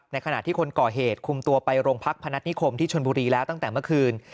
ขณะที่คนก่อเหตุคุมตัวไปโรงพักพนัฐนิคมที่ชนบุรีแล้วตั้งแต่เมื่อคืน